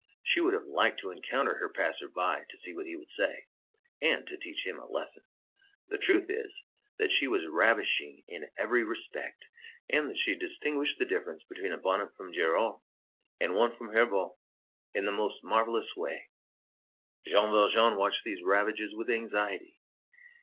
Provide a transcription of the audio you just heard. She would have liked to encounter her "passer by," to see what he would say, and to "teach him a lesson!" The truth is, that she was ravishing in every respect, and that she distinguished the difference between a bonnet from Gérard and one from Herbaut in the most marvellous way. Jean Valjean watched these ravages with anxiety.